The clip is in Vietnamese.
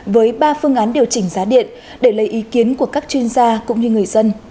với ba phương án điều chỉnh giá điện để lấy ý kiến của các chuyên gia cũng như người dân